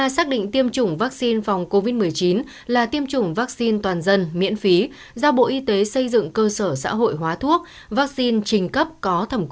ba xác định tiêm chủng vaccine phòng covid một mươi chín là tiêm chủng vaccine toàn dân miễn phí do bộ y tế xây dựng cơ sở xã hội hóa thuốc